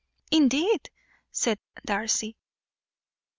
"Indeed!" said Darcy.